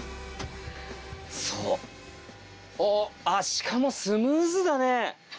しかもスムーズだね。